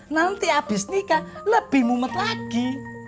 nanti habis nikah lebih mumet lagi